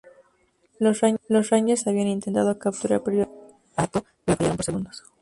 Los Rangers habían intentado capturar previamente a Atto, pero fallaron por segundos.